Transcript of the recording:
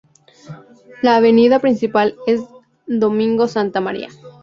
La avenida principal es Domingo Santa María.